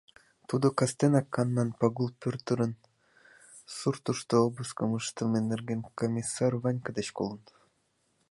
Тудо кастенак Анан Пагул Пӧтырын суртышто обыскым ыштыме нерген Комиссар Ванька деч колын.